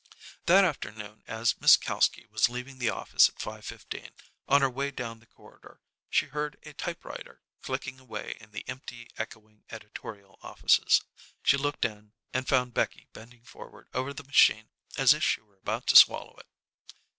That afternoon as Miss Kalski was leaving the office at 5:15, on her way down the corridor she heard a typewriter clicking away in the empty, echoing editorial offices. She looked in, and found Becky bending forward over the machine as if she were about to swallow it.